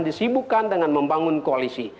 disibukan dengan membangun koalisi